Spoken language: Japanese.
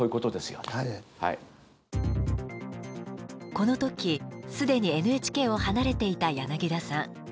この時既にＮＨＫを離れていた柳田さん。